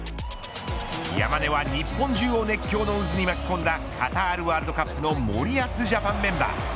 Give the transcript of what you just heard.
山根は日本中を熱狂の渦に巻き込んだカタールワールドカップの森保ジャパンメンバー。